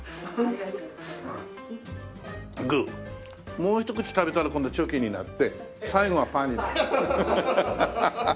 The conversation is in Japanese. もうひと口食べたら今度チョキになって最後はパーになる。